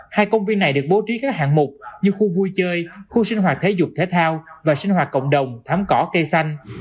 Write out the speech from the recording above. hai công viên này được bố trí các hạng mục như khu vui chơi khu sinh hoạt thể dục thể thao và sinh hoạt cộng đồng thám cỏ cây xanh